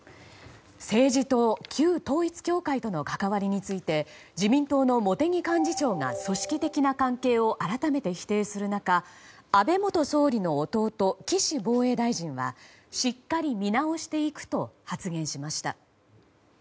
政治と旧統一教会の関わりについて自民党の茂木幹事長が組織的な関係を改めて否定する中安倍元総理の弟・岸防衛大臣はしっかり見直していくと発言しました。